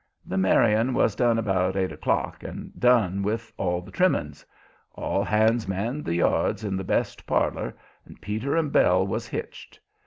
The marrying was done about eight o'clock and done with all the trimmings. All hands manned the yards in the best parlor, and Peter and Belle was hitched.